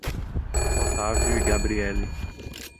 Otávio e Gabrielly